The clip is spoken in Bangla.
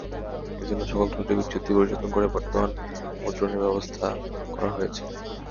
এ জন্যে সকল ত্রুটি-বিচ্যুতি পরিশোধন করে বর্তমান মুদ্রণের ব্যবস্থা করা হয়েছে।